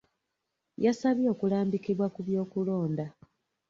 Yasabye okulambikibwa ku by'okulonda.